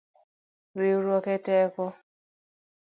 Riuruok eteko.